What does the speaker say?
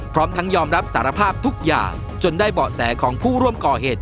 พร้อมทั้งยอมรับสารภาพทุกอย่างจนได้เบาะแสของผู้ร่วมก่อเหตุ